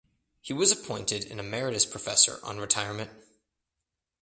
He was appointed an emeritus professor on retirement.